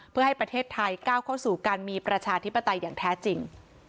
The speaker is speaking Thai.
เพื่อให้ประเทศไทยก้าวเข้าสู่การมีประชาธิปไตยอย่างแท้จริง